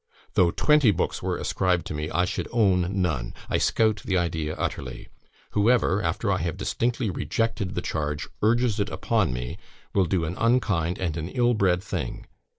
Though twenty books were ascribed to me, I should own none. I scout the idea utterly. Whoever, after I have distinctly rejected the charge, urges it upon me, will do an unkind and an ill bred thing.